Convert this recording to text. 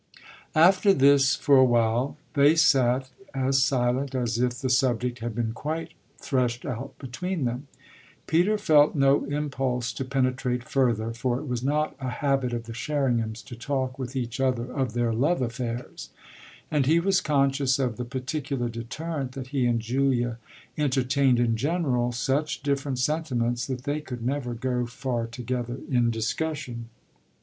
After this, for a while, they sat as silent as if the subject had been quite threshed out between them. Peter felt no impulse to penetrate further, for it was not a habit of the Sherringhams to talk with each other of their love affairs; and he was conscious of the particular deterrent that he and Julia entertained in general such different sentiments that they could never go far together in discussion.